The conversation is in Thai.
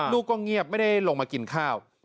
ลูกก็เงียบไม่ได้ลงมากินข้าว